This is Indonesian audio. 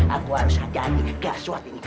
aku harus hadapi gaswat ini